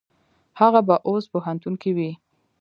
هغه به اوس پوهنتون کې وي.